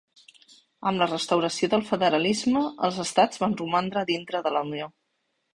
Amb la restauració del federalisme, els estats van romandre dintre de la Unió.